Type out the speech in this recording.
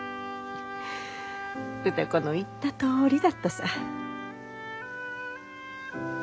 ・歌子の言ったとおりだったさ。